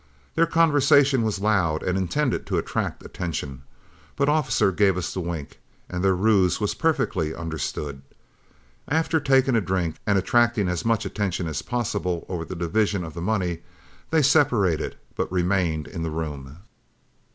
Their conversation was loud and intended to attract attention, but Officer gave us the wink, and their ruse was perfectly understood. After taking a drink and attracting as much attention as possible over the division of the money, they separated, but remained in the room.